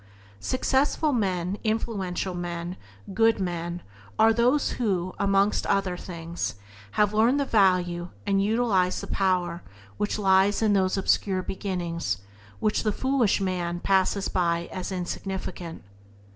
Successful men, influential men, good men are those who, amongst other things, have learned the value and utilized the power which lies hidden in those obscure beginnings which the foolish man passes by as "insignificant."